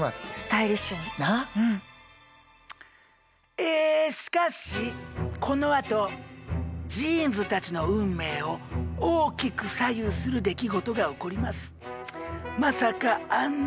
えしかしこのあとジーンズたちの運命を大きく左右する出来事が起こります。